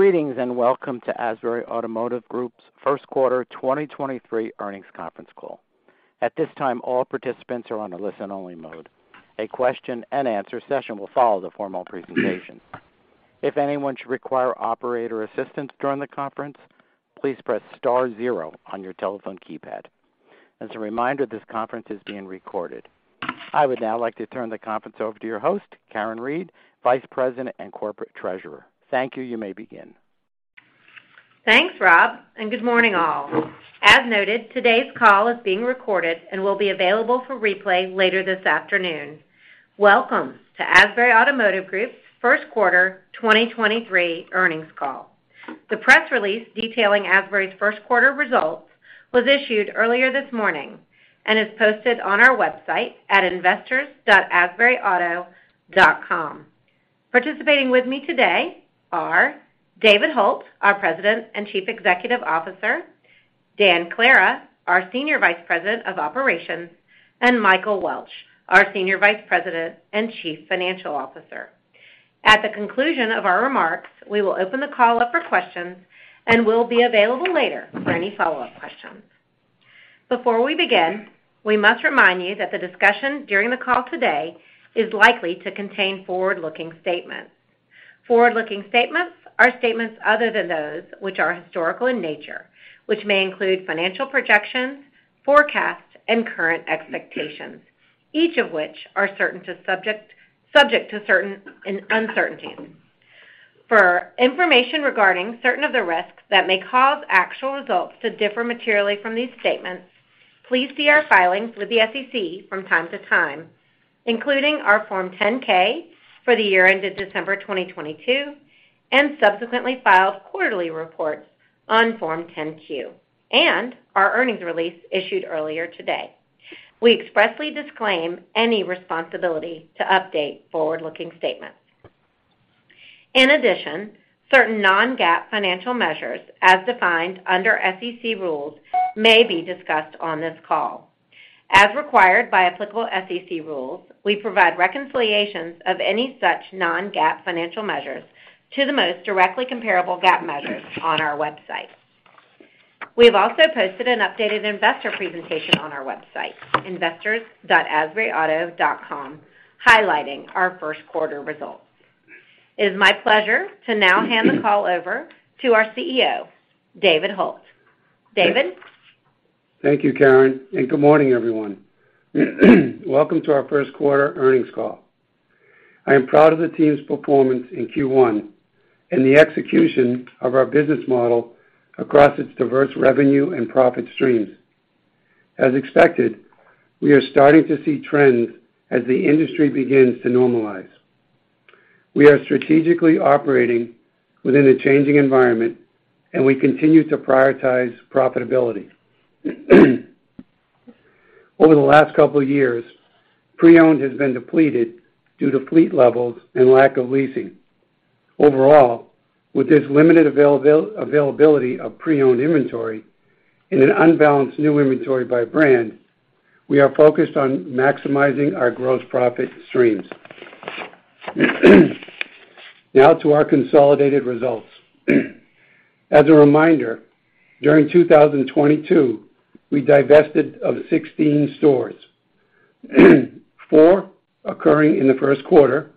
Greetings, welcome to Asbury Automotive Group's first quarter 2023 earnings conference call. At this time, all participants are on a listen-only mode. A question-and-answer session will follow the formal presentation. If anyone should require operator assistance during the conference, please press star zero on your telephone keypad. As a reminder, this conference is being recorded. I would now like to turn the conference over to your host, Karen Reid, Vice President and Corporate Treasurer. Thank you. You may begin. Thanks, Rob. Good morning, all. As noted, today's call is being recorded and will be available for replay later this afternoon. Welcome to Asbury Automotive Group's first quarter 2023 earnings call. The press release detailing Asbury's first quarter results was issued earlier this morning and is posted on our website at investors.asburyauto.com. Participating with me today are David Hult, our President and Chief Executive Officer, Dan Clara, our Senior Vice President of Operations, and Michael Welch, our Senior Vice President and Chief Financial Officer. At the conclusion of our remarks, we will open the call up for questions and will be available later for any follow-up questions. Before we begin, we must remind you that the discussion during the call today is likely to contain forward-looking statements. Forward-looking statements are statements other than those which are historical in nature, which may include financial projections, forecasts, and current expectations, each of which are certain to subject to certain uncertainties. For information regarding certain of the risks that may cause actual results to differ materially from these statements, please see our filings with the SEC from time to time, including our Form 10-K for the year ended December 2022 and subsequently filed quarterly reports on Form 10-Q and our earnings release issued earlier today. We expressly disclaim any responsibility to update forward-looking statements. Certain non-GAAP financial measures as defined under SEC rules may be discussed on this call. As required by applicable SEC rules, we provide reconciliations of any such non-GAAP financial measures to the most directly comparable GAAP measures on our website. We have also posted an updated investor presentation on our website, investors.asburyauto.com, highlighting our first quarter results. It is my pleasure to now hand the call over to our CEO, David Hult. David? Thank you, Karen. Good morning, everyone. Welcome to our first quarter earnings call. I am proud of the team's performance in Q1 and the execution of our business model across its diverse revenue and profit streams. As expected, we are starting to see trends as the industry begins to normalize. We are strategically operating within a changing environment. We continue to prioritize profitability. Over the last couple of years, pre-owned has been depleted due to fleet levels and lack of leasing. Overall, with this limited availability of pre-owned inventory and an unbalanced new inventory by brand, we are focused on maximizing our gross profit streams. To our consolidated results. As a reminder, during 2022, we divested of 16 stores, 4 occurring in the first quarter,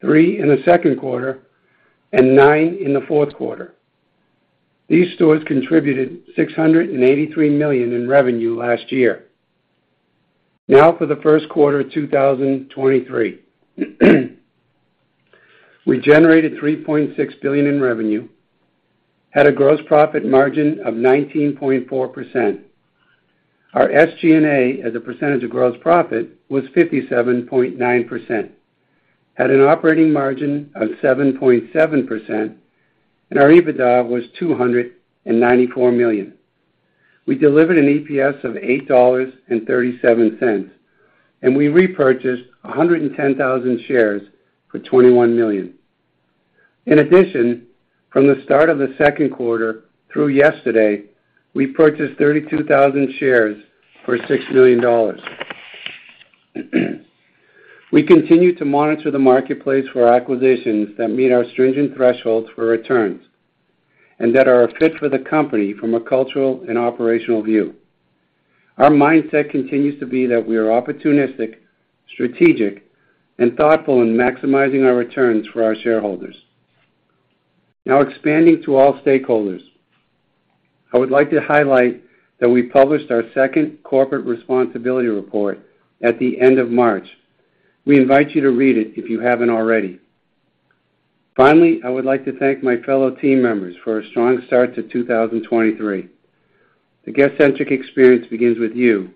3 in the second quarter, and 9 in the fourth quarter. These stores contributed $683 million in revenue last year. For the first quarter of 2023. We generated $3.6 billion in revenue, had a gross profit margin of 19.4%. Our SG&A as a percentage of gross profit was 57.9%, had an operating margin of 7.7%, and our EBITDA was $294 million. We delivered an EPS of $8.37, and we repurchased 110,000 shares for $21 million. In addition, from the start of the second quarter through yesterday, we purchased 32,000 shares for $6 million. We continue to monitor the marketplace for acquisitions that meet our stringent thresholds for returns and that are a fit for the company from a cultural and operational view. Our mindset continues to be that we are opportunistic, strategic, and thoughtful in maximizing our returns for our shareholders. Now expanding to all stakeholders. I would like to highlight that we published our second corporate responsibility report at the end of March. We invite you to read it if you haven't already. Finally, I would like to thank my fellow team members for a strong start to 2023. The guest centric experience begins with you,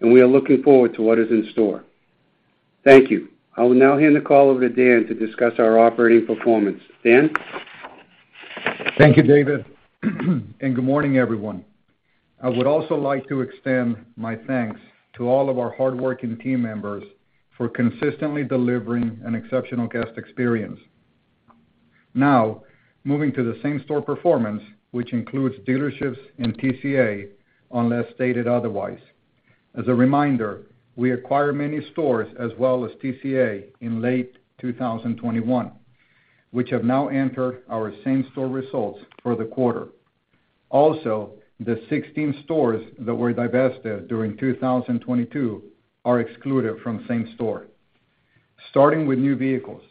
and we are looking forward to what is in store. Thank you. I will now hand the call over to Dan to discuss our operating performance. Dan? Thank you, David, and good morning, everyone. I would also like to extend my thanks to all of our hardworking team members for consistently delivering an exceptional guest experience. Now, moving to the same-store performance, which includes dealerships and TCA, unless stated otherwise. As a reminder, we acquired many stores as well as TCA in late 2021, which have now entered our same-store results for the quarter. The 16 stores that were divested during 2022 are excluded from same store. Starting with new vehicles.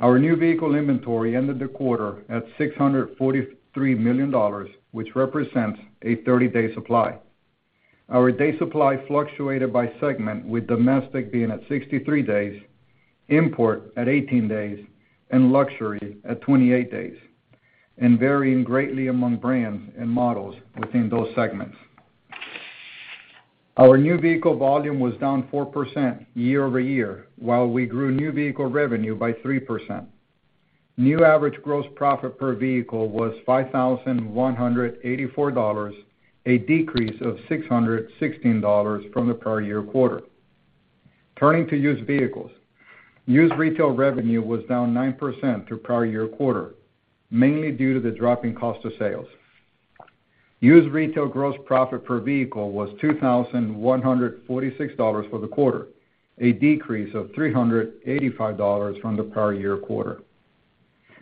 Our new vehicle inventory ended the quarter at $643 million, which represents a 30-day supply. Our day supply fluctuated by segment, with domestic being at 63 days, import at 18 days, and luxury at 28 days, and varying greatly among brands and models within those segments. Our new vehicle volume was down 4% year-over-year, while we grew new vehicle revenue by 3%. New average gross profit per vehicle was $5,184, a decrease of $616 from the prior year quarter. Turning to used vehicles. Used retail revenue was down 9% to prior year quarter, mainly due to the drop in cost of sales. Used retail gross profit per vehicle was $2,146 for the quarter, a decrease of $385 from the prior year quarter.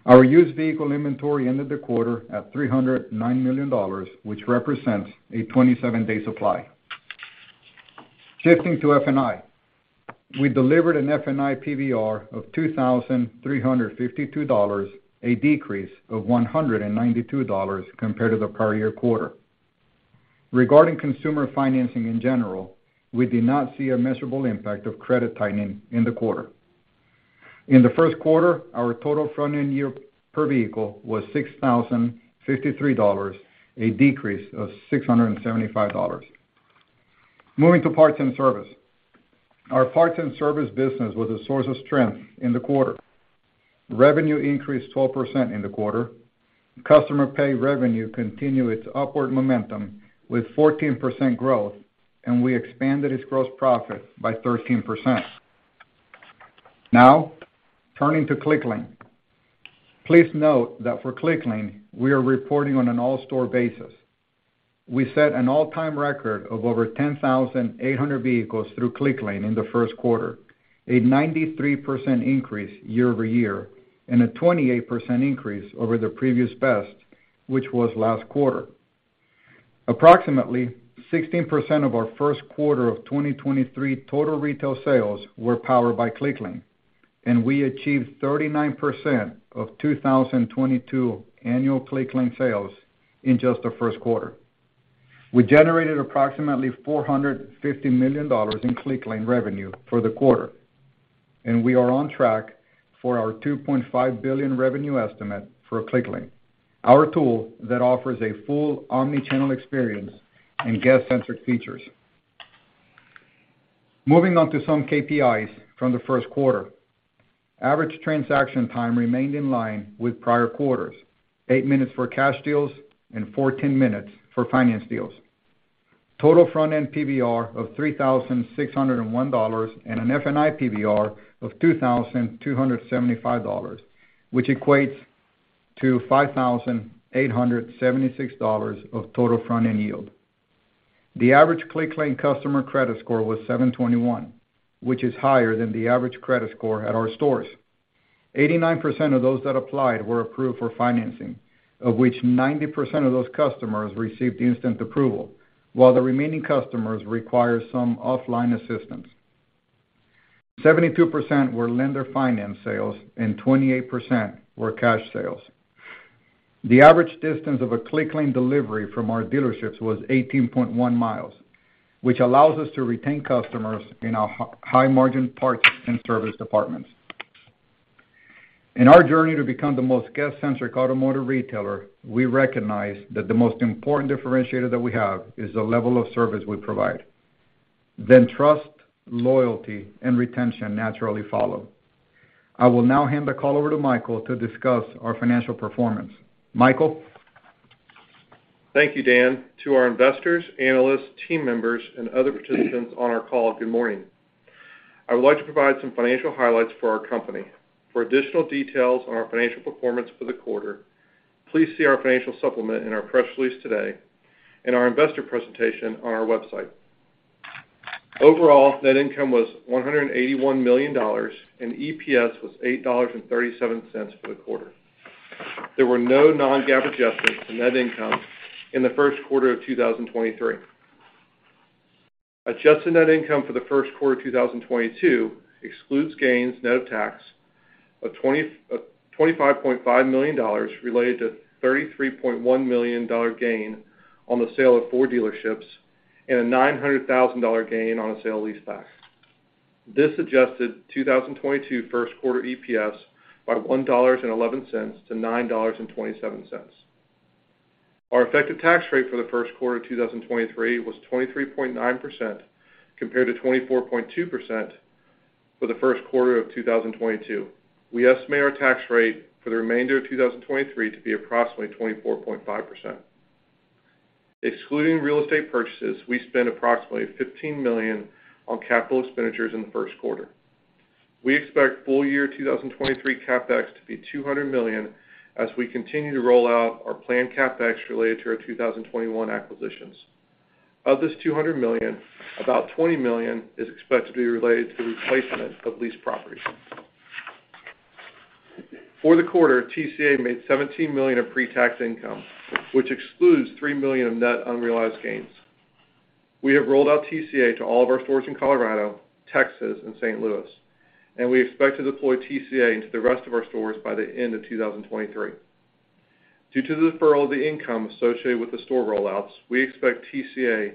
Our used vehicle inventory ended the quarter at $309 million, which represents a 27-day supply. Shifting to F&I. We delivered an F&I PBR of $2,352, a decrease of $192 compared to the prior year quarter. Regarding consumer financing in general, we did not see a measurable impact of credit tightening in the quarter. In the first quarter, our total front-end yield per vehicle was $6,053, a decrease of $675. Moving to parts and service. Our parts and service business was a source of strength in the quarter. Revenue increased 12% in the quarter. Customer pay revenue continued its upward momentum with 14% growth, and we expanded its gross profit by 13%. Now, turning to Clicklane. Please note that for Clicklane, we are reporting on an all-store basis. We set an all-time record of over 10,800 vehicles through Clicklane in the first quarter, a 93% increase year-over-year, and a 28% increase over the previous best, which was last quarter. Approximately 16% of our first quarter of 2023 total retail sales were powered by Clicklane, and we achieved 39% of 2022 annual Clicklane sales in just the first quarter. We generated approximately $450 million in Clicklane revenue for the quarter. We are on track for our $2.5 billion revenue estimate for Clicklane, our tool that offers a full omnichannel experience and guest-centric features. Moving on to some KPIs from the first quarter. Average transaction time remained in line with prior quarters, 8 minutes for cash deals and 14 minutes for finance deals. Total front-end PBR of $3,601 and an F&I PBR of $2,275, which equates to $5,876 of total front-end profit. The average Clicklane customer credit score was 721, which is higher than the average credit score at our stores. 89% of those that applied were approved for financing, of which 90% of those customers received instant approval, while the remaining customers required some offline assistance. 72% were lender finance sales and 28% were cash sales. The average distance of a Clicklane delivery from our dealerships was 18.1 miles, which allows us to retain customers in our high margin parts and service departments. In our journey to become the most guest-centric automotive retailer, we recognize that the most important differentiator that we have is the level of service we provide. Trust, loyalty, and retention naturally follow. I will now hand the call over to Michael to discuss our financial performance. Michael? Thank you, Dan. To our investors, analysts, team members, and other participants on our call, good morning. I would like to provide some financial highlights for our company. For additional details on our financial performance for the quarter, please see our financial supplement in our press release today and our investor presentation on our website. Overall, net income was $181 million, and EPS was $8.37 for the quarter. There were no non-GAAP adjustments to net income in the first quarter of 2023. Adjusted net income for the first quarter of 2022 excludes gains net of tax of $25.5 million related to a $33.1 million gain on the sale of four dealerships and a $900,000 gain on a sale-leaseback. This adjusted 2022 first quarter EPS by $1.11 to $9.27. Our effective tax rate for the first quarter of 2023 was 23.9% compared to 24.2% for the first quarter of 2022. We estimate our tax rate for the remainder of 2023 to be approximately 24.5%. Excluding real estate purchases, we spent approximately $15 million on capital expenditures in the first quarter. We expect full year 2023 CapEx to be $200 million as we continue to roll out our planned CapEx related to our 2021 acquisitions. Of this $200 million, about $20 million is expected to be related to the replacement of leased properties. For the quarter, TCA made $17 million of pre-tax income, which excludes $3 million of net unrealized gains. We have rolled out TCA to all of our stores in Colorado, Texas and St. Louis, we expect to deploy TCA into the rest of our stores by the end of 2023. Due to the deferral of the income associated with the store rollouts, we expect TCA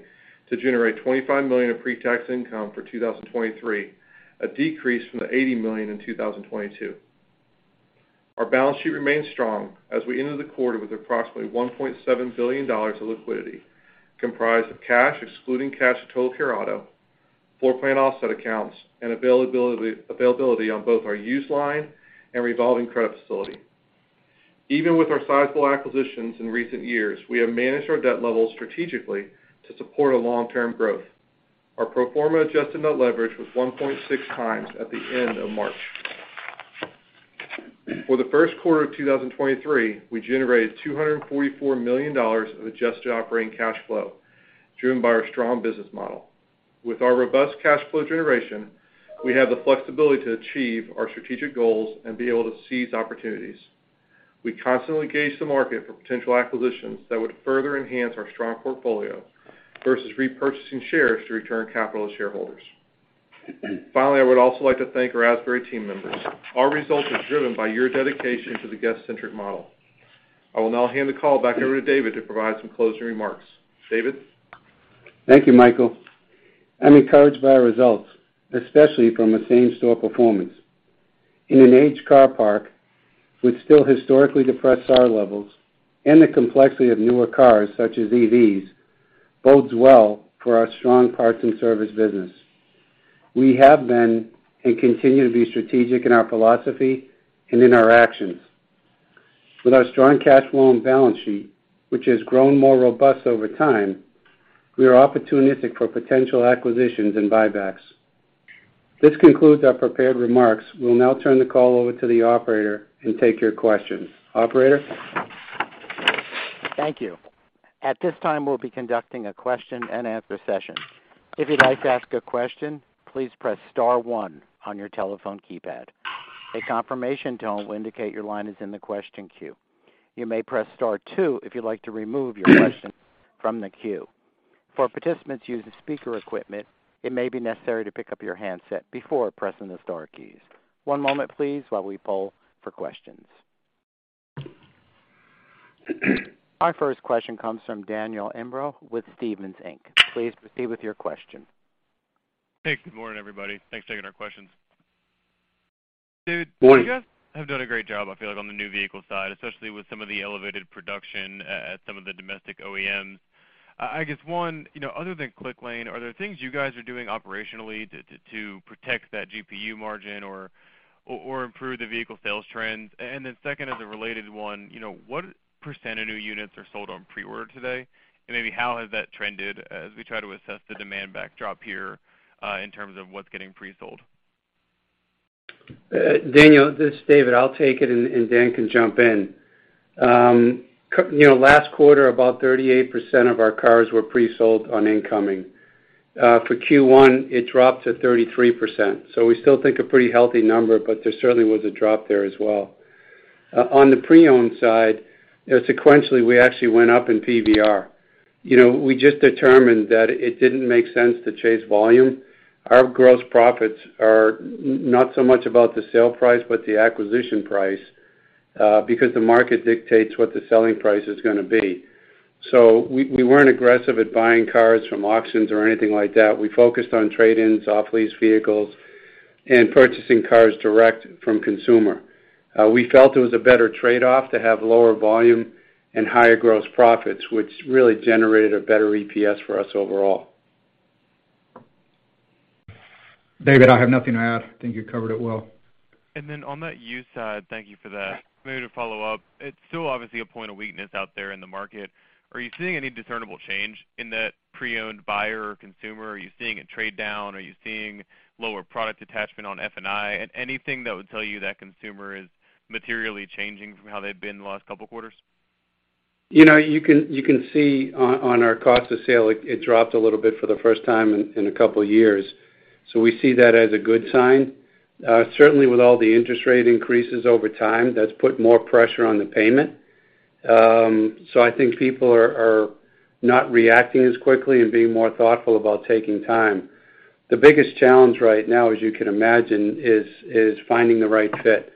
to generate $25 million of pre-tax income for 2023, a decrease from the $80 million in 2022. Our balance sheet remains strong as we ended the quarter with approximately $1.7 billion of liquidity, comprised of cash excluding cash Total Care Auto, floorplan offset accounts and availability on both our used line and revolving credit facility. Even with our sizable acquisitions in recent years, we have managed our debt levels strategically to support a long-term growth. Our pro forma adjusted net leverage was 1.6 times at the end of March. For the first quarter of 2023, we generated $244 million of adjusted operating cash flow, driven by our strong business model. With our robust cash flow generation, we have the flexibility to achieve our strategic goals and be able to seize opportunities. We constantly gauge the market for potential acquisitions that would further enhance our strong portfolio versus repurchasing shares to return capital to shareholders. Finally, I would also like to thank our Asbury team members. Our results are driven by your dedication to the guest-centric model. I will now hand the call back over to David to provide some closing remarks. David? Thank you, Michael. I'm encouraged by our results, especially from a same-store performance. In an aged car park with still historically depressed SAR levels and the complexity of newer cars such as EVs bodes well for our strong parts and service business. We have been, and continue to be strategic in our philosophy and in our actions. With our strong cash flow and balance sheet, which has grown more robust over time, we are opportunistic for potential acquisitions and buybacks. This concludes our prepared remarks. We'll now turn the call over to the operator and take your questions. Operator? Thank you. At this time, we'll be conducting a question-and-answer session. If you'd like to ask a question, please press star 1 on your telephone keypad. A confirmation tone will indicate your line is in the question queue. You may press star 2 if you'd like to remove your question from the queue. For participants using speaker equipment, it may be necessary to pick up your handset before pressing the star keys. One moment please, while we poll for questions. Our first question comes from Daniel Imbro with Stephens Inc. Please proceed with your question. Hey, good morning, everybody. Thanks for taking our questions. Morning. David, you guys have done a great job, I feel like, on the new vehicle side, especially with some of the elevated production at some of the domestic OEMs. I guess, one, you know, other than Clicklane, are there things you guys are doing operationally to protect that GPU margin or improve the vehicle sales trends? Second, as a related one, you know, what percent of new units are sold on pre-order today? Maybe how has that trended as we try to assess the demand backdrop here, in terms of what's getting pre-sold? Daniel, this is David. I'll take it and Dan can jump in. You know, last quarter, about 38% of our cars were pre-sold on incoming. For Q1, it dropped to 33%, we still think a pretty healthy number, but there certainly was a drop there as well. On the pre-owned side, you know, sequentially we actually went up in PBR. You know, we just determined that it didn't make sense to chase volume. Our gross profits are not so much about the sale price, but the acquisition price, because the market dictates what the selling price is gonna be. We weren't aggressive at buying cars from auctions or anything like that. We focused on trade-ins, off-lease vehicles, and purchasing cars direct from consumer. We felt it was a better trade-off to have lower volume and higher gross profits, which really generated a better EPS for us overall. David, I have nothing to add. I think you covered it well. On that used side, thank you for that. Maybe to follow up, it's still obviously a point of weakness out there in the market. Are you seeing any discernible change in that pre-owned buyer or consumer? Are you seeing a trade down? Are you seeing lower product attachment on F&I? Anything that would tell you that consumer is materially changing from how they've been the last couple quarters? You know, you can see on our cost of sale, it dropped a little bit for the first time in a couple years. We see that as a good sign. Certainly with all the interest rate increases over time, that's put more pressure on the payment. I think people are not reacting as quickly and being more thoughtful about taking time. The biggest challenge right now, as you can imagine, is finding the right fit.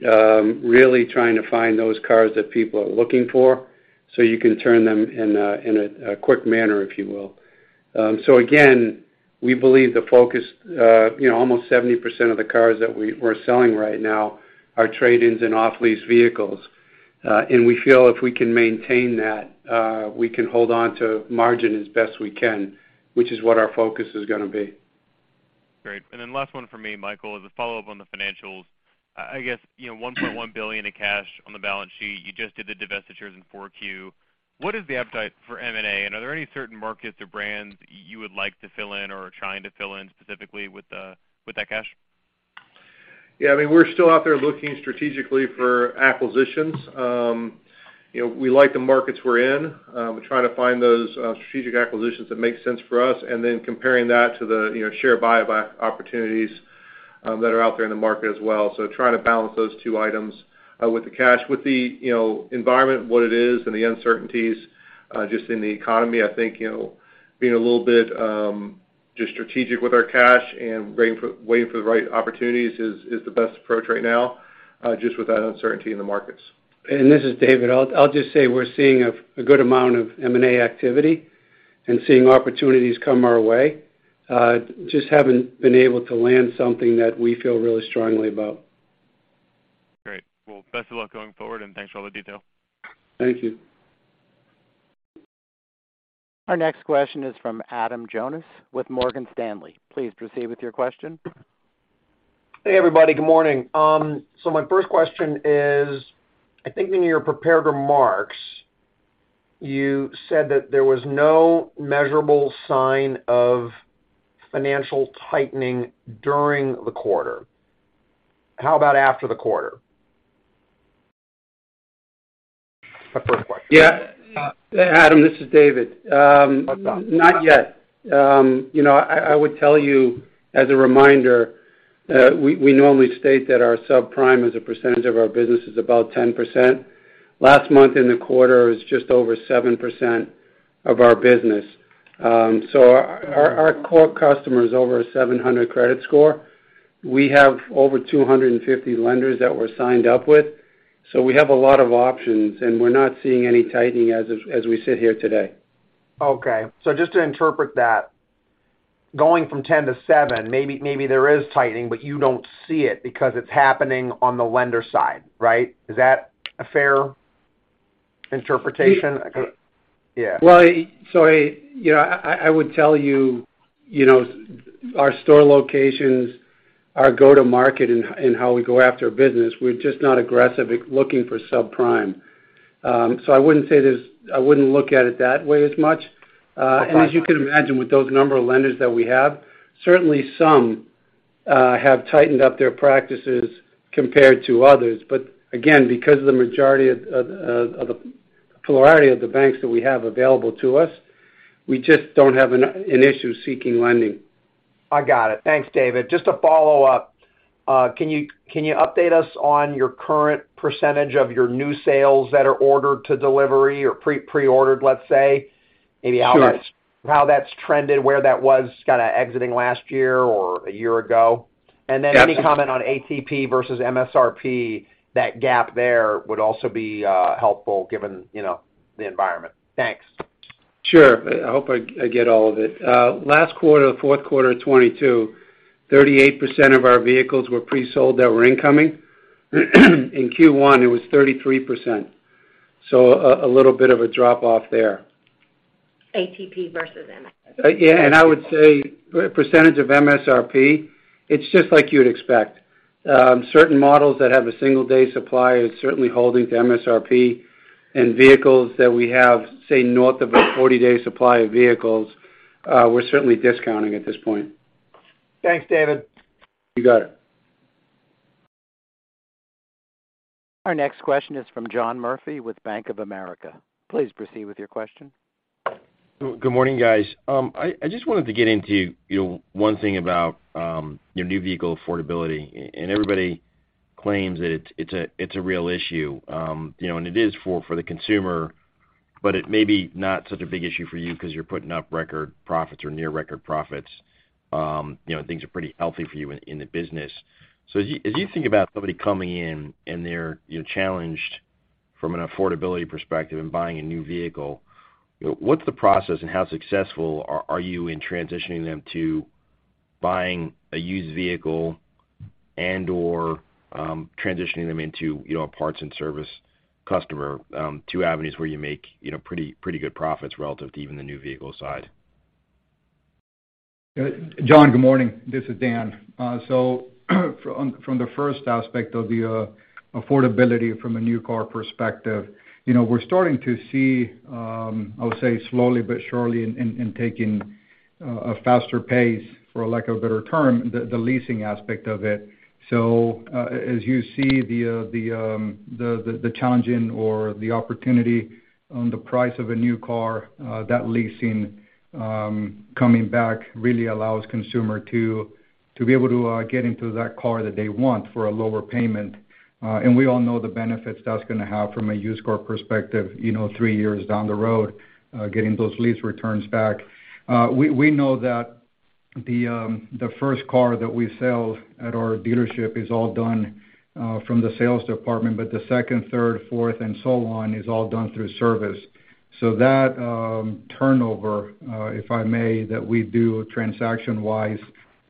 Really trying to find those cars that people are looking for, so you can turn them in a quick manner, if you will. Again, we believe the focus, you know, almost 70% of the cars that we're selling right now are trade-ins and off-lease vehicles. We feel if we can maintain that, we can hold on to margin as best we can, which is what our focus is gonna be. Great. Last one for me, Michael, as a follow-up on the financials. I guess, you know, $1.1 billion in cash on the balance sheet. You just did the divestitures in 4Q. What is the appetite for M&A? Are there any certain markets or brands you would like to fill in or are trying to fill in specifically with that cash? Yeah. I mean, we're still out there looking strategically for acquisitions. You know, we like the markets we're in. We're trying to find those strategic acquisitions that make sense for us, and then comparing that to the, you know, share buyback opportunities that are out there in the market as well. Trying to balance those two items with the cash. With the, you know, environment, what it is and the uncertainties, just in the economy, I think, you know, being a little bit just strategic with our cash and waiting for the right opportunities is the best approach right now, just with that uncertainty in the markets. This is David. I'll just say we're seeing a good amount of M&A activity and seeing opportunities come our way. Just haven't been able to land something that we feel really strongly about. Great. Well, best of luck going forward, and thanks for all the detail. Thank you. Our next question is from Adam Jonas with Morgan Stanley. Please proceed with your question. Hey, everybody. Good morning. My first question is, I think in your prepared remarks, you said that there was no measurable sign of financial tightening during the quarter. How about after the quarter? My first question. Yeah. Adam, this is David. How about- Not yet. You know, I would tell you, as a reminder, we normally state that our subprime, as a percentage of our business, is about 10%. Last month in the quarter it was just over 7% of our business. Our, our core customer is over a 700 credit score. We have over 250 lenders that we're signed up with, so we have a lot of options, and we're not seeing any tightening as we sit here today. Okay. Just to interpret that, going from 10 to 7, maybe there is tightening, but you don't see it because it's happening on the lender side, right? Is that a fair interpretation? We- Yeah. You know, I would tell you know, our store locations, our go-to-market and how we go after business, we're just not aggressive at looking for subprime. I wouldn't say I wouldn't look at it that way as much. Okay. As you can imagine, with those number of lenders that we have, certainly some have tightened up their practices compared to others. Again, because of the majority of the plurality of the banks that we have available to us, we just don't have an issue seeking lending. I got it. Thanks, David. Just to follow up, can you update us on your current % of your new sales that are ordered to delivery or pre-preordered, let's say? Sure. Maybe how that's, how that's trended, where that was kinda exiting last year or a year ago? Yes. Any comment on ATP versus MSRP, that gap there would also be helpful given, you know, the environment. Thanks. Sure. I hope I get all of it. Last quarter, the fourth quarter of 2022, 38% of our vehicles were pre-sold that were incoming. In Q1, it was 33%, so a little bit of a drop-off there. ATP versus MSRP. Yeah. I would say 20% of MSRP, it's just like you'd expect. certain models that have a single day supply is certainly holding to MSRP. vehicles that we have, say, north of a 40-day supply of vehicles, we're certainly discounting at this point. Thanks, David. You got it. Our next question is from John Murphy with Bank of America. Please proceed with your question. Good morning, guys. I just wanted to get into, you know, one thing about, you know, new vehicle affordability. And everybody claims that it's a, it's a real issue. You know, and it is for the consumer, but it may be not such a big issue for you cause you're putting up record profits or near record profits. You know, and things are pretty healthy for you in the business. As you think about somebody coming in and they're, you know, challenged from an affordability perspective in buying a new vehicle, what's the process and how successful are you in transitioning them to buying a used vehicle and/or transitioning them into, you know, a parts and service customer? Two avenues where you make, you know, pretty good profits relative to even the new vehicle side. John, good morning. This is Dan. from the first aspect of the affordability from a new car perspective, you know, we're starting to see, I would say slowly but surely and taking a faster pace, for lack of a better term, the leasing aspect of it. as you see the challenging or the opportunity on the price of a new car, that leasing coming back really allows consumer to be able to get into that car that they want for a lower payment. we all know the benefits that's gonna have from a used car perspective, you know, 3 years down the road, getting those lease returns back. We know that the first car that we sell at our dealership is all done from the sales department, but the second, third, fourth, and so on is all done through service. That turnover, if I may, that we do transaction-wise,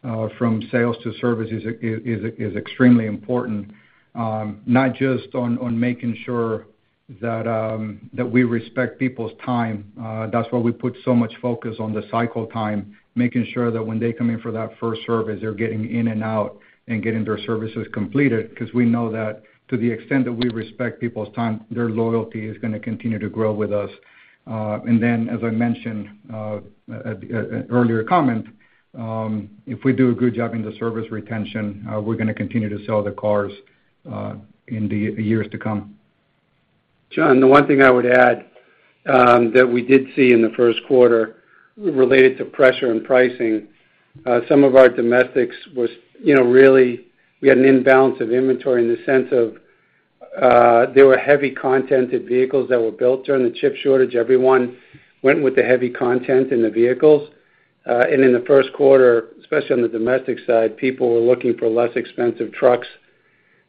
from sales to service is extremely important, not just on making sure that we respect people's time. That's why we put so much focus on the cycle time, making sure that when they come in for that first service, they're getting in and out and getting their services completed because we know that to the extent that we respect people's time, their loyalty is gonna continue to grow with us. As I mentioned, earlier comment, if we do a good job in the service retention, we're gonna continue to sell the cars, in the years to come. John, the one thing I would add, that we did see in the first quarter related to pressure and pricing, some of our domestics was, you know, really we had an imbalance of inventory in the sense of, there were heavy contented vehicles that were built during the chip shortage. Everyone went with the heavy content in the vehicles. In the first quarter, especially on the domestic side, people were looking for less expensive trucks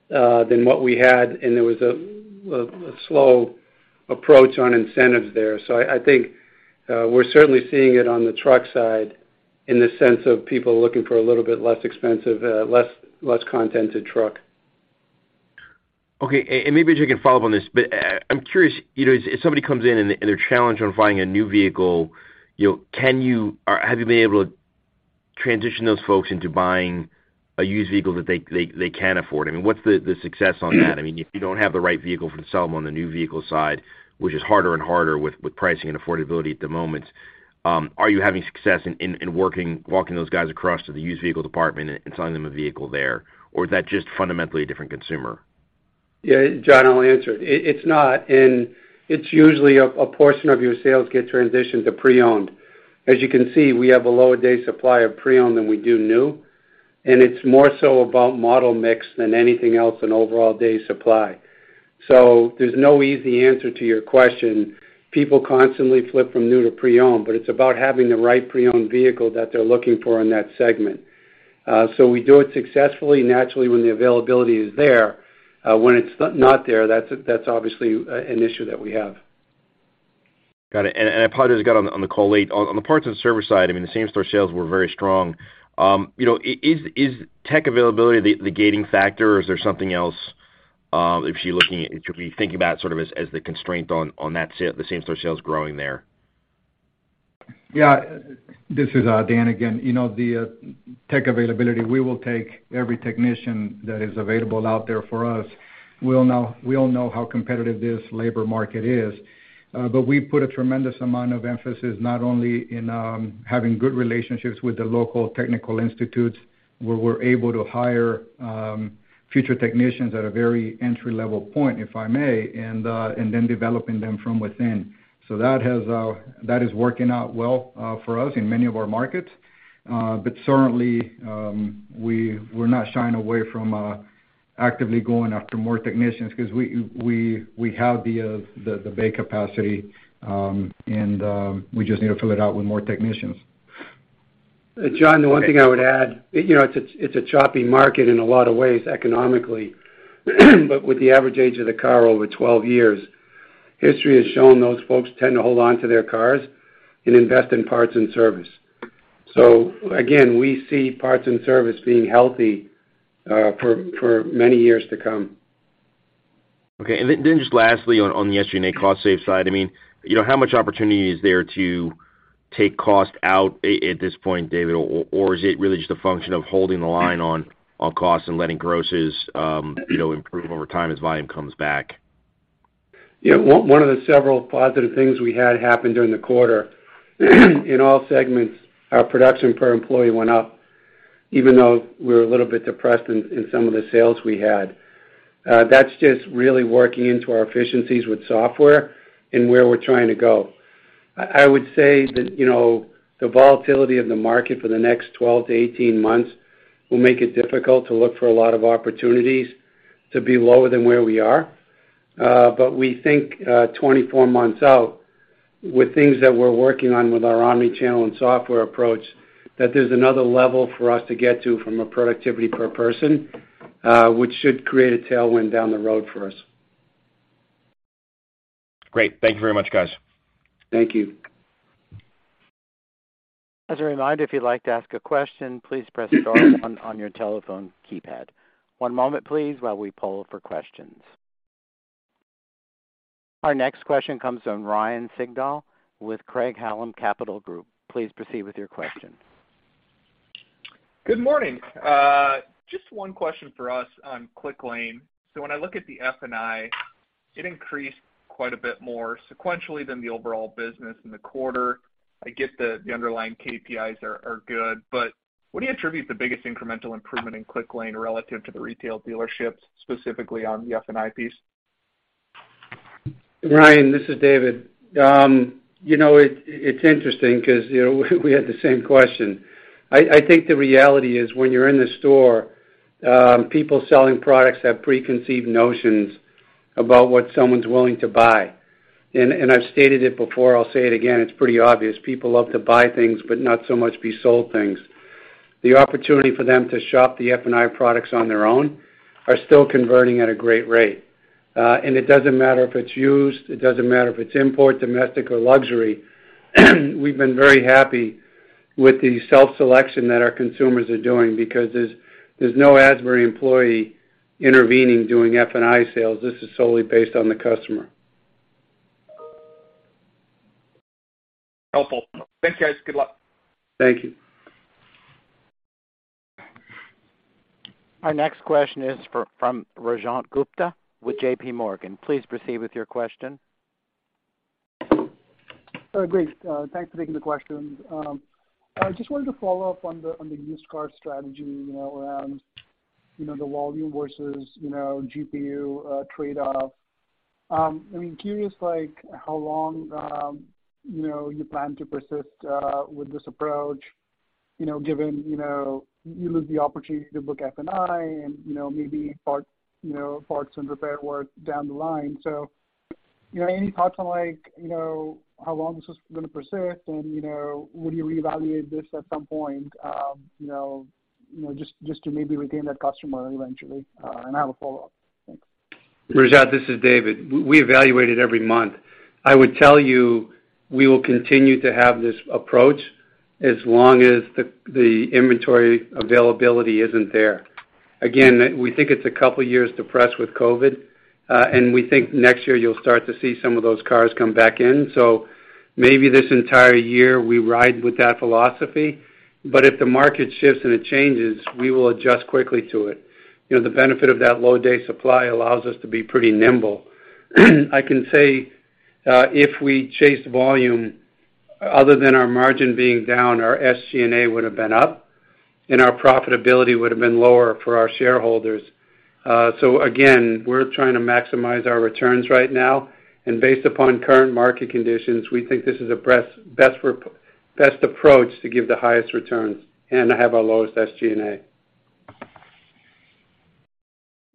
than what we had, and there was a slow approach on incentives there. I think, we're certainly seeing it on the truck side in the sense of people looking for a little bit less expensive, less contented truck. Okay. Maybe if you can follow up on this, but, I'm curious, you know, if somebody comes in and they're challenged on buying a new vehicle, you know, can you or have you been able to transition those folks into buying a used vehicle that they can afford? I mean, what's the success on that? I mean, if you don't have the right vehicle for them on the new vehicle side, which is harder and harder with pricing and affordability at the moment, are you having success in walking those guys across to the used vehicle department and selling them a vehicle there, or is that just fundamentally a different consumer? Yeah, John, I'll answer it. It's not. It's usually a portion of your sales get transitioned to pre-owned. As you can see, we have a lower day supply of pre-owned than we do new, and it's more so about model mix than anything else in overall day supply. There's no easy answer to your question. People constantly flip from new to pre-owned, but it's about having the right pre-owned vehicle that they're looking for in that segment. We do it successfully naturally when the availability is there. When it's not there, that's obviously an issue that we have. Got it. I probably just got on the, on the call late. On the parts and service side, I mean, the same store sales were very strong. You know, is tech availability the gating factor, or is there something else, if you're thinking about sort of as the constraint on that sale, the same store sales growing there? Yeah. This is Dan again. You know, the tech availability, we will take every technician that is available out there for us. We all know how competitive this labor market is. But we put a tremendous amount of emphasis not only in having good relationships with the local technical institutes, where we're able to hire future technicians at a very entry-level point, if I may, and then developing them from within. That has that is working out well for us in many of our markets. But certainly, we're not shying away from actively going after more technicians because we have the bay capacity, and we just need to fill it out with more technicians. John, the one thing I would add, you know, it's a choppy market in a lot of ways economically. With the average age of the car over 12 years, history has shown those folks tend to hold on to their cars and invest in parts and service. Again, we see parts and service being healthy for many years to come. Okay. Then just lastly on the SG&A Cost Save side, I mean, you know, how much opportunity is there to take cost out at this point, David? Or is it really just a function of holding the line on costs and letting grosses, you know, improve over time as volume comes back? One of the several positive things we had happen during the quarter, in all segments, our production per employee went up, even though we're a little bit depressed in some of the sales we had. That's just really working into our efficiencies with software and where we're trying to go. I would say that, you know, the volatility of the market for the next 12-18 months will make it difficult to look for a lot of opportunities to be lower than where we are. We think 24 months out with things that we're working on with our omnichannel and software approach, that there's another level for us to get to from a productivity per person, which should create a tailwind down the road for us. Great. Thank you very much, guys. Thank you. As a reminder, if you'd like to ask a question, please press star one on your telephone keypad. One moment, please, while we poll for questions. Our next question comes from Ryan Sigdahl with Craig-Hallum Capital Group. Please proceed with your question. Good morning. Just one question for us on Clicklane. When I look at the F&I, it increased quite a bit more sequentially than the overall business in the quarter. I get that the underlying KPIs are good. What do you attribute the biggest incremental improvement in Clicklane relative to the retail dealerships, specifically on the F&I piece? Ryan, this is David. You know, it's interesting because, you know, we had the same question. I think the reality is when you're in the store, people selling products have preconceived notions about what someone's willing to buy. I've stated it before, I'll say it again, it's pretty obvious people love to buy things, but not so much be sold things. The opportunity for them to shop the F&I products on their own are still converting at a great rate. It doesn't matter if it's used, it doesn't matter if it's import, domestic or luxury. We've been very happy with the self-selection that our consumers are doing because there's no Asbury employee intervening doing F&I sales. This is solely based on the customer. Helpful. Thank you, guys. Good luck. Thank you. Our next question is from Rajat Gupta with J.P. Morgan. Please proceed with your question. Great. Thanks for taking the question. I just wanted to follow up on the, on the used car strategy, you know, around, you know, the volume versus, you know, GPU trade-off. I mean, curious, like, how long, you know, you plan to persist with this approach, you know, given, you know, you lose the opportunity to book F&I and, you know, maybe parts, you know, parts and repair work down the line. Any thoughts on, like, you know, how long this is gonna persist and, you know, would you reevaluate this at some point, you know, just to maybe retain that customer eventually? I have a follow-up. Thanks. Rajat, this is David. We evaluate it every month. I would tell you, we will continue to have this approach as long as the inventory availability isn't there. Again, we think it's a couple of years depressed with COVID, and we think next year you'll start to see some of those cars come back in. Maybe this entire year we ride with that philosophy. If the market shifts and it changes, we will adjust quickly to it. You know, the benefit of that low day supply allows us to be pretty nimble. I can say, if we chase volume other than our margin being down, our SG&A would have been up and our profitability would have been lower for our shareholders. Again, we're trying to maximize our returns right now, and based upon current market conditions, we think this is a best approach to give the highest returns and to have our lowest SG&A.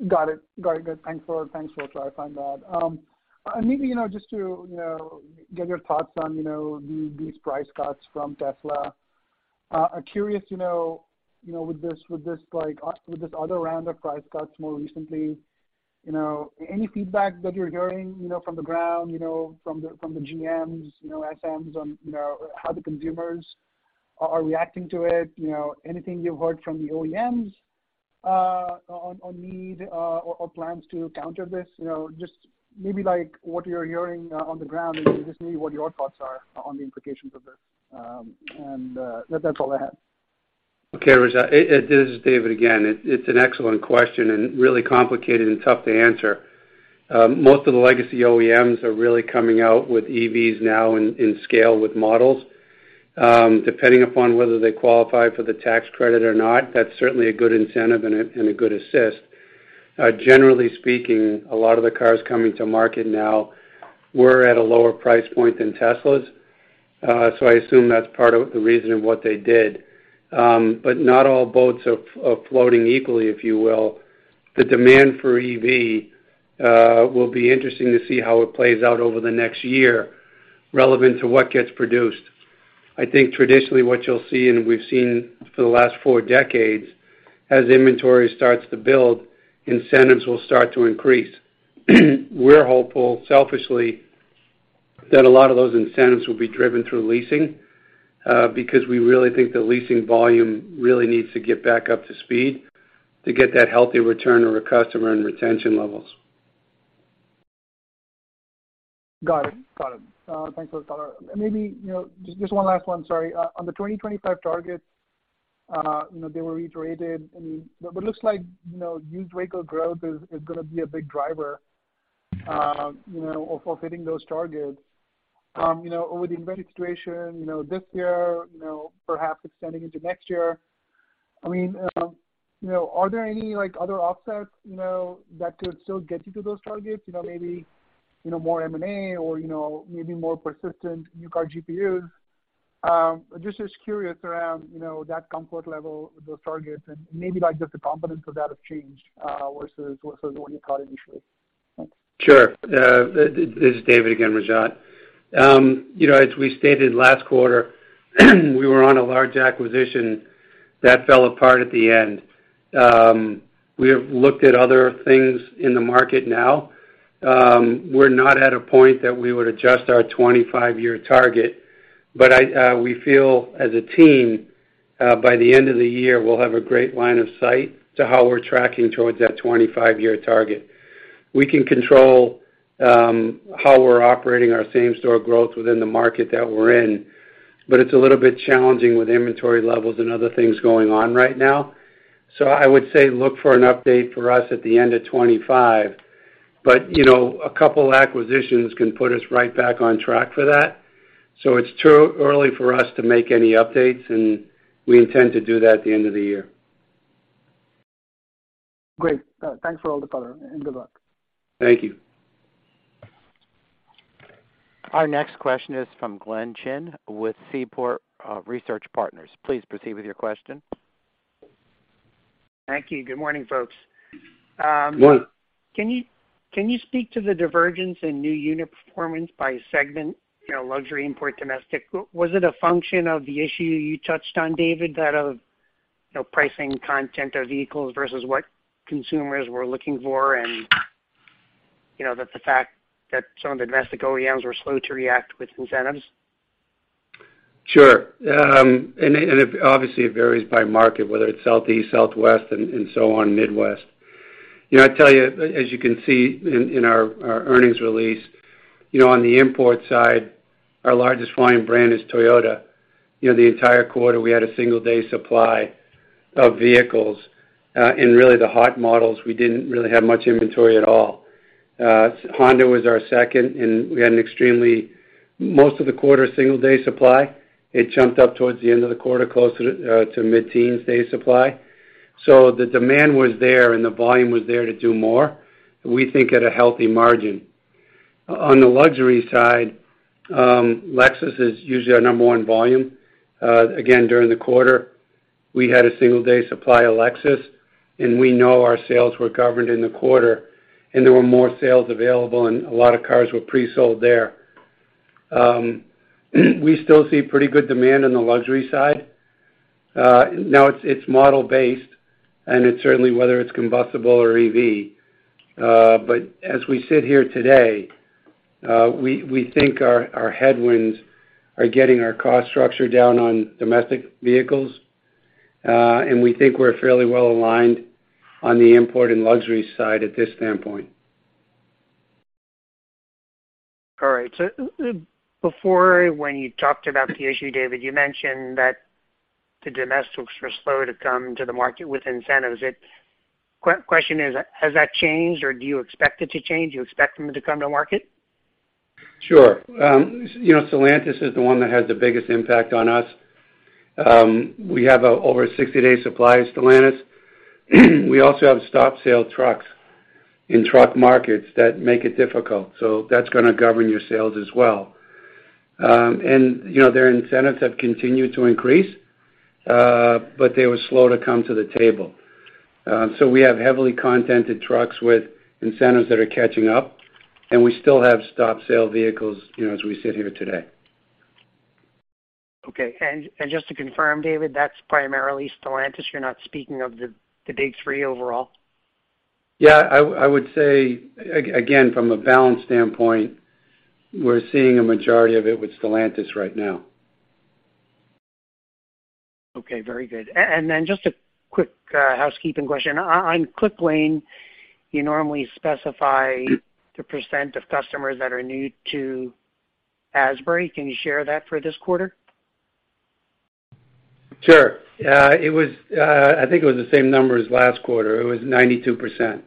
Got it. Got it. Good. Thanks for, thanks for clarifying that. Maybe, you know, just to, you know, get your thoughts on, you know, these price cuts from Tesla. Curious, you know, you know, with this, with this like, with this other round of price cuts more recently, you know, any feedback that you're hearing, you know, from the ground, you know, from the GMs, you know, SMs on, you know, how the consumers are reacting to it? You know, anything you've heard from the OEMs on need or plans to counter this? You know, just maybe like what you're hearing on the ground and just maybe what your thoughts are on the implications of this. That's all I have. Okay, Rajat. This is David again. It's an excellent question and really complicated and tough to answer. Most of the legacy OEMs are really coming out with EVs now in scale with models. Depending upon whether they qualify for the tax credit or not, that's certainly a good incentive and a good assist. Generally speaking, a lot of the cars coming to market now were at a lower price point than Teslas. I assume that's part of the reason of what they did. Not all boats are floating equally, if you will. The demand for EV will be interesting to see how it plays out over the next year relevant to what gets produced. I think traditionally what you'll see and we've seen for the last 4 decades, as inventory starts to build, incentives will start to increase. We're hopeful, selfishly, that a lot of those incentives will be driven through leasing, because we really think the leasing volume really needs to get back up to speed to get that healthy return on our customer and retention levels. Got it. Got it. Thanks for the thought. Maybe, you know, just one last one, sorry. On the 2025 targets, you know, they were reiterated and... It looks like, you know, used vehicle growth is gonna be a big driver, you know, of fulfilling those targets. You know, over the inventory situation, you know, this year, you know, perhaps extending into next year, I mean, you know, are there any, like, other offsets, you know, that could still get you to those targets? You know, maybe, you know, more M&A or, you know, maybe more persistent new car GPUs. Just as curious around, you know, that comfort level with those targets and maybe, like, just the confidence of that have changed, versus what you thought initially. Thanks. Sure. This is David again, Rajat. You know, as we stated last quarter, we were on a large acquisition that fell apart at the end. We have looked at other things in the market now. We're not at a point that we would adjust our 25-year target, but I, we feel as a team, by the end of the year, we'll have a great line of sight to how we're tracking towards that 25-year target. We can control how we're operating our same store growth within the market that we're in, but it's a little bit challenging with inventory levels and other things going on right now. I would say look for an update for us at the end of 2025. You know, a couple acquisitions can put us right back on track for that. It's too early for us to make any updates, and we intend to do that at the end of the year. Great. Thanks for all the color, and good luck. Thank you. Our next question is from Glenn Chin with Seaport Research Partners. Please proceed with your question. Thank you. Good morning, folks. Good morning. Can you speak to the divergence in new unit performance by segment, you know, luxury, import, domestic? Was it a function of the issue you touched on, David, that of, you know, pricing content of vehicles versus what consumers were looking for and. You know, that the fact that some of the domestic OEMs were slow to react with incentives? Sure. It obviously it varies by market, whether it's southeast, southwest, and so on, midwest. You know, I tell you, as you can see in our earnings release, you know, on the import side, our largest volume brand is Toyota. You know, the entire quarter, we had a single day supply of vehicles. Really the hot models, we didn't really have much inventory at all. Honda was our second, we had an extremely, most of the quarter, single day supply. It jumped up towards the end of the quarter, closer to mid-teens day supply. The demand was there and the volume was there to do more, we think at a healthy margin. On the luxury side, Lexus is usually our number one volume. Again, during the quarter, we had a single day supply of Lexus. We know our sales were governed in the quarter. There were more sales available. A lot of cars were pre-sold there. We still see pretty good demand on the luxury side. Now it's model based. It's certainly whether it's combustible or EV. As we sit here today, we think our headwinds are getting our cost structure down on domestic vehicles. We think we're fairly well aligned on the import and luxury side at this standpoint. All right. Before, when you talked about the issue, David, you mentioned that the domestics were slow to come to the market with incentives. Question is, has that changed or do you expect it to change? You expect them to come to market? Sure. You know, Stellantis is the one that has the biggest impact on us. We have over 60-day supply of Stellantis. We also have stop sale trucks in truck markets that make it difficult, so that's gonna govern your sales as well. You know, their incentives have continued to increase, but they were slow to come to the table. So we have heavily content trucks with incentives that are catching up, and we still have stop sale vehicles, you know, as we sit here today. Okay. Just to confirm, David, that's primarily Stellantis. You're not speaking of the Big Three overall. Yeah. I would say again, from a balance standpoint, we're seeing a majority of it with Stellantis right now. Okay. Very good. Then just a quick, housekeeping question. On Quicklane, you normally specify the % of customers that are new to Asbury. Can you share that for this quarter? Sure. I think it was the same number as last quarter. It was 92%.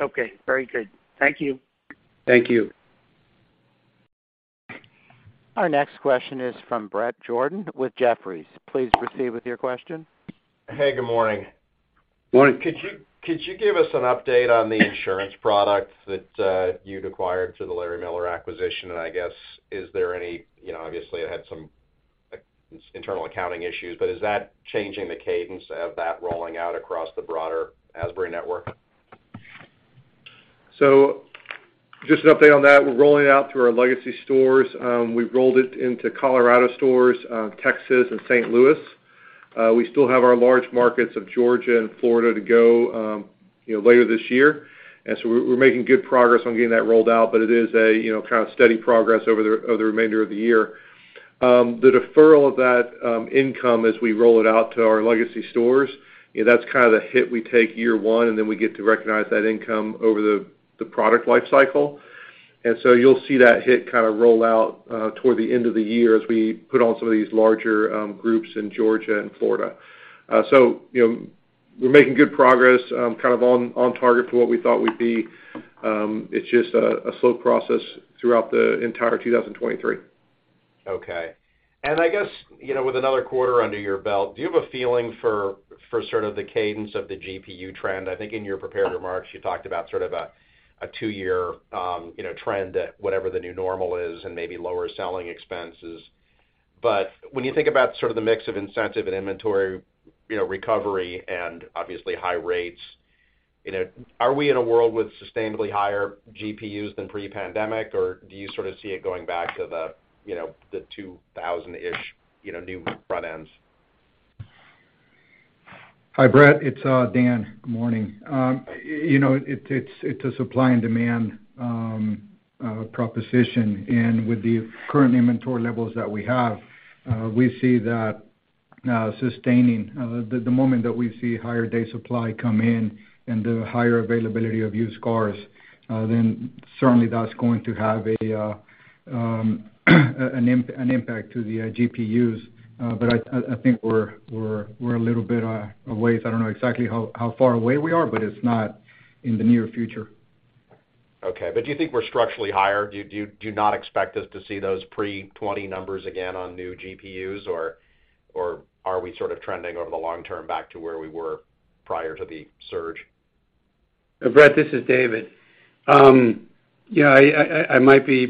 Okay, very good. Thank you. Thank you. Our next question is from Bret Jordan with Jefferies. Please proceed with your question. Hey, good morning. Morning. Could you give us an update on the insurance products that you'd acquired through the Larry H. Miller acquisition? I guess, is there any, you know, obviously it had some, like, internal accounting issues, is that changing the cadence of that rolling out across the broader Asbury network? Just an update on that. We're rolling out through our legacy stores. We've rolled it into Colorado stores, Texas and St. Louis. We still have our large markets of Georgia and Florida to go, you know, later this year. We're, we're making good progress on getting that rolled out, but it is a, you know, kind of steady progress over the, over the remainder of the year. The deferral of that income as we roll it out to our legacy stores, you know, that's kind of the hit we take year 1, and then we get to recognize that income over the product life cycle. You'll see that hit kinda roll out toward the end of the year as we put on some of these larger groups in Georgia and Florida. You know, we're making good progress, kind of on target for what we thought we'd be. It's just a slow process throughout the entire 2023. Okay. I guess, you know, with another quarter under your belt, do you have a feeling for sort of the cadence of the GPU trend? I think in your prepared remarks, you talked about sort of a 2-year, you know, trend that whatever the new normal is and maybe lower selling expenses. When you think about sort of the mix of incentive and inventory, you know, recovery and obviously high rates, you know, are we in a world with sustainably higher GPUs than pre-pandemic, or do you sort of see it going back to the you know, the 2,000-ish, you know, new front ends? Hi, Bret. It's Dan. Good morning. You know, it's a supply and demand proposition. With the current inventory levels that we have, we see that sustaining. The moment that we see higher day supply come in and the higher availability of used cars, then certainly that's going to have an impact to the GPUs. I think we're a little bit away. I don't know exactly how far away we are, but it's not in the near future. Okay. Do you think we're structurally higher? Do not expect us to see those pre-'20 numbers again on new GPUs, or are we sort of trending over the long term back to where we were prior to the surge? Bret, this is David. You know, I might be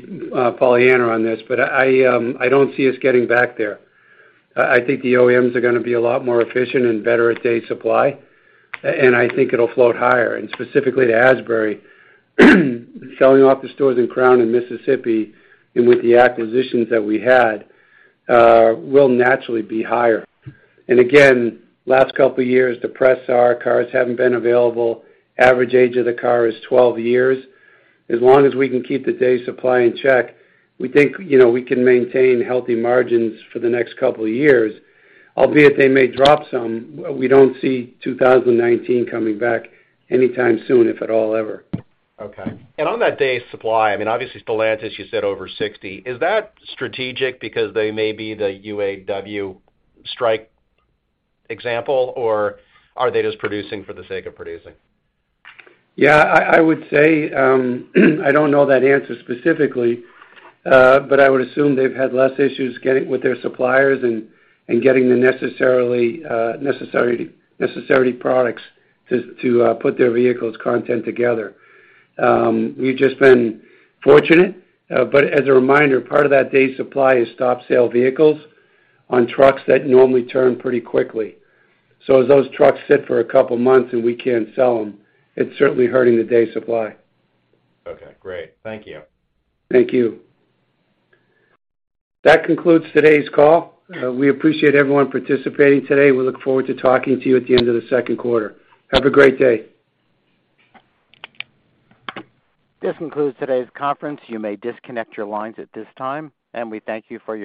Pollyanna on this, but I don't see us getting back there. I think the OEMs are gonna be a lot more efficient and better at day supply, and I think it'll float higher. Specifically to Asbury, selling off the stores in Crown and Mississippi, and with the acquisitions that we had, will naturally be higher. Again, last couple of years, the press cars haven't been available. Average age of the car is 12 years. As long as we can keep the day supply in check, we think, you know, we can maintain healthy margins for the next couple of years, albeit they may drop some. We don't see 2019 coming back anytime soon, if at all ever. Okay. On that day supply, I mean, obviously, Stellantis, you said over 60. Is that strategic because they may be the UAW strike example, or are they just producing for the sake of producing? I would say, I don't know that answer specifically, I would assume they've had less issues getting with their suppliers and getting the necessary products to put their vehicles content together. We've just been fortunate, as a reminder, part of that day supply is stop sale vehicles on trucks that normally turn pretty quickly. As those trucks sit for 2 months and we can't sell them, it's certainly hurting the day supply. Okay, great. Thank you. Thank you. That concludes today's call. We appreciate everyone participating today. We look forward to talking to you at the end of the second quarter. Have a great day. This concludes today's conference. You may disconnect your lines at this time, and we thank you for your participation.